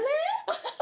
アハハ。